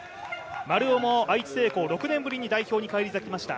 丸尾も愛知製鋼６年ぶりに代表に輝きました。